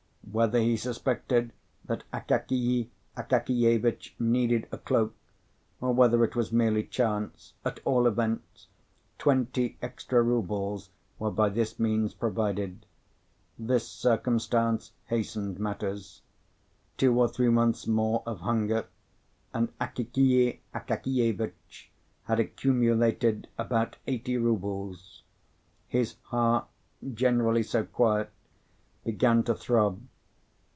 Whether he suspected that Akakiy Akakievitch needed a cloak, or whether it was merely chance, at all events, twenty extra rubles were by this means provided. This circumstance hastened matters. Two or three months more of hunger and Akakiy Akakievitch had accumulated about eighty rubles. His heart, generally so quiet, began to throb.